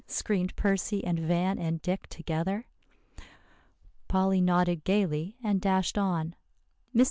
screamed Percy and Van and Dick together. Polly nodded gayly and dashed on. "Mr.